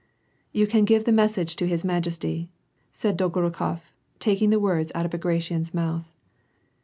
I "You can give the message to his majesty," said Dolgoru ' khof, taking the words out of Bagration's mouth.